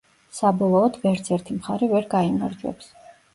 საბოლოოდ, ვერც ერთი მხარე ვერ გაიმარჯვებს.